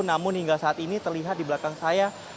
namun hingga saat ini terlihat di belakang saya